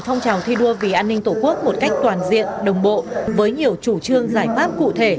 phong trào thi đua vì an ninh tổ quốc một cách toàn diện đồng bộ với nhiều chủ trương giải pháp cụ thể